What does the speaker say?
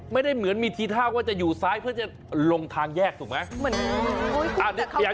ไม่ได้เหมือนมีทีท่าว่าจะอยู่ซ้ายเพื่อจะลงทางแยกถูกไหม